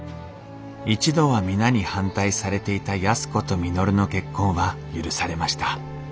一度は皆に反対されていた安子と稔の結婚は許されました